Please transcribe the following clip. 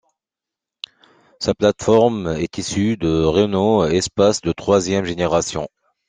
Sa plateforme est issue du Renault Espace de troisième génération.